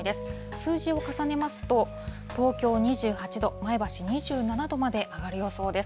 数字を重ねますと、東京２８度、前橋２７度まで上がる予想です。